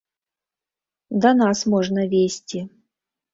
Да нас можна везці.